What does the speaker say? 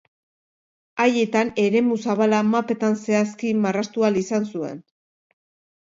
Haietan, eremu zabala mapetan zehazki marraztu ahal izan zuen.